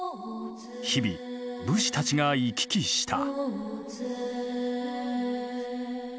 日々武士たちが行き来した。